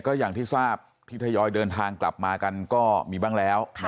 ก็อย่างที่ทราบที่ทยอยเดินทางกลับมากันก็มีบ้างแล้ว